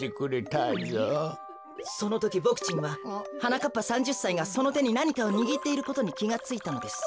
そのときボクちんははなかっぱ３０さいがそのてになにかをにぎっていることにきがついたのです。